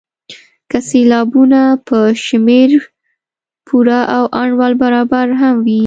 که سېلابونه په شمېر پوره او انډول برابر هم وي.